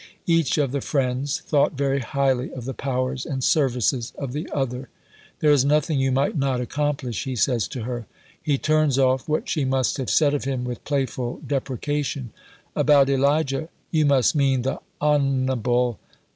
"'" Each of the friends thought very highly of the powers and services of the other. "There is nothing you might not accomplish," he says to her. He turns off what she must have said of him with playful deprecation: "About Elijah you must mean the Honble.